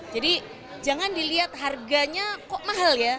jadi jangan dilihat harganya kok mahal ya